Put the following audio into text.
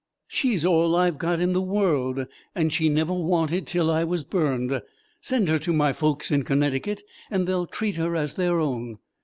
She's all I've got in the world; and she never wanted till I was burned. Send her to my folks in Connecticut and they'll treat her as their own."